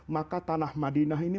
maka tanah madinah ini